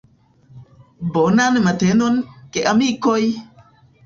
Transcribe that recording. Bonan matenon, geamikoj!